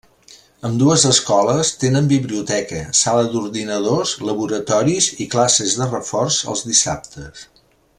Ambdues escoles tenen biblioteca, sales d'ordinadors, laboratoris i classes de reforç els dissabtes.